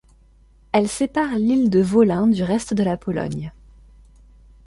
Elle sépare l'île de Wolin du reste de la Pologne.